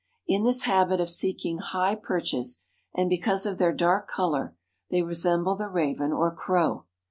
In this habit of seeking high perches, and because of their dark color, they resemble the raven or crow.